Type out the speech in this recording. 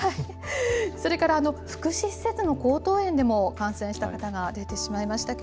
それから福祉施設の江東園でも、感染した方が出てしまいましたけ